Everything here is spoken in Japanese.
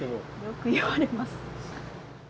よく言われます。